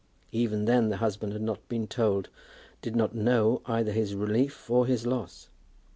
Even then the husband had not been told, did not know either his relief or his loss.